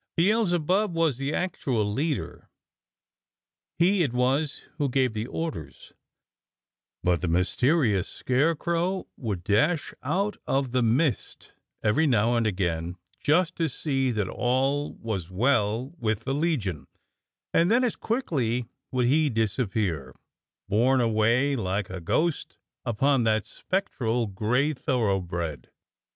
Beelzebub was the actual leader. He it was who gave the orders, but the mysterious Scarecrow would dash out of the mist every now and again just to see that all was well with the legion, and then as quickly would he disappear, borne away like a ghost upon that spectral gray thoroughbred.